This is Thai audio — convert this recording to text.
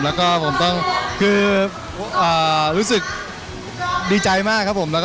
รู้สึกดีใจมากครับผม